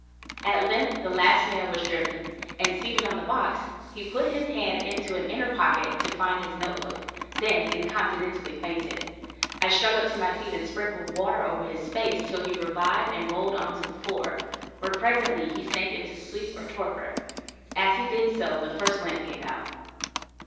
At length the last nail was driven, and seated on the box he put his hand into an inner pocket to find his note book, then incontinently fainted. I struggled to my feet and sprinkled water over his face till he revived and rolled on to the floor, where presently he sank into sleep or torpor. As he did so the first lamp gave out.